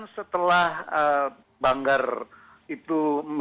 setelah banggar itu